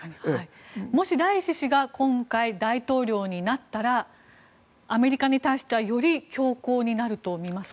もし、ライシ師が今回大統領になったらアメリカに対してはより強硬になるとみますか。